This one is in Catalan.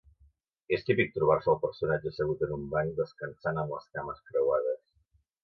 És típic trobar-se el personatge assegut en un banc descansant amb les cames creuades.